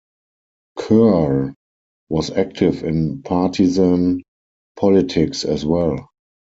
Kerr was active in partisan politics as well.